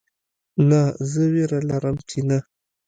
نه زه ویره لرم چې نه